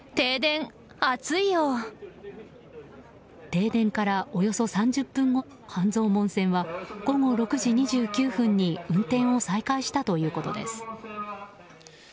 停電から、およそ３０分後半蔵門線は午後６時２９分に運転を再開したということです。